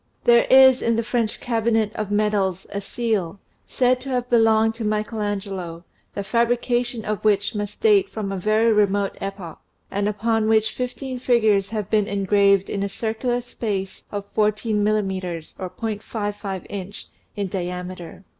There is in the French Cabinet of Medals a seal, said to have belonged to Michael Angelo, the fabrication of which must date from a very remote epoch, and upon which fifteen figures have been engraved in a circular space of fourteen millimeters (.55 inch) in diameter.